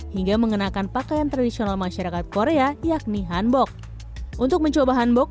hingga mengenakan pakaian tradisional masyarakat korea yakni hanbok